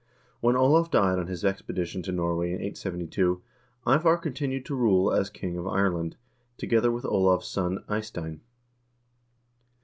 When Olav died on his expedition to Norway in 872, Ivar continued to rule as king of Ireland, together with Olav's son Ky stein.